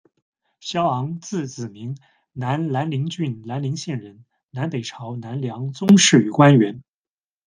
萧昂，字子明，南兰陵郡兰陵县人，南北朝南梁宗室与官员。